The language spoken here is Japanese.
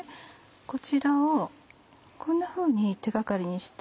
こちらをこんなふうに手掛かりにして。